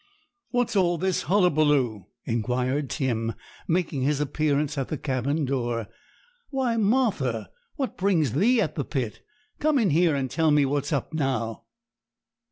'What's all this hullabaloo?' inquired Tim, making his appearance at the cabin door. 'Why, Martha, what brings thee at the pit? Come in here, and tell me what's up now.'